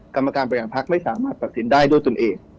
กรรมการบริหารพักไม่สามารถตัดสินได้ด้วยตนเอง